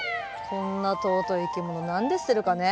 こんな尊い生き物何で捨てるかね。